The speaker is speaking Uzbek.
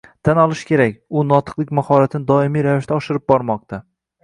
Tan olish kerak, u notiqlik mahoratini doimiy ravishda oshirib bormoqda